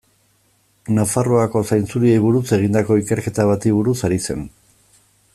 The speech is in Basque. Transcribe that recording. Nafarroako zainzuriei buruz egindako ikerketa bati buruz ari zen.